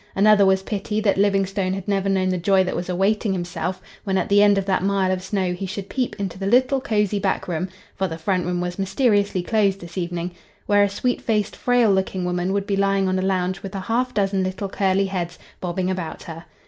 Another was pity that Livingstone had never known the joy that was awaiting himself when at the end of that mile of snow he should peep into the little cosy back room (for the front room was mysteriously closed this evening), where a sweet faced, frail looking woman would be lying on a lounge with a half dozen little curly heads bobbing about her.